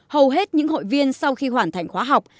hầu hết những hội viên sau khi hoàn thành khóa học